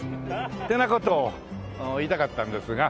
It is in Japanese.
ってな事を言いたかったんですが。